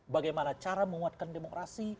bagaimana cara menguatkan demokrasi